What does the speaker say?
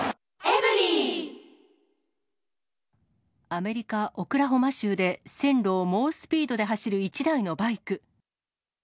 アメリカ・オクラホマ州で、線路を猛スピードで走る１台のバイク。